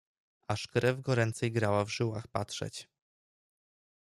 "Aż krew goręcej grała w żyłach patrzeć."